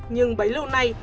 nhưng bấy lâu nay